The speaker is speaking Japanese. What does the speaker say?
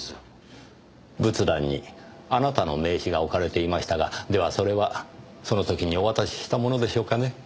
仏壇にあなたの名刺が置かれていましたがではそれはその時にお渡ししたものでしょうかね？